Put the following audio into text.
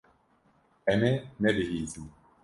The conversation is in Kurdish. Em ê nebihîzin.